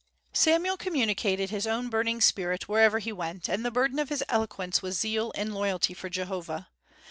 Samuel communicated his own burning spirit wherever he went, and the burden of his eloquence was zeal and loyalty for Jehovah.